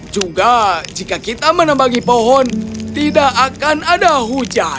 juga jika kita menambangi pohon tidak akan ada hujan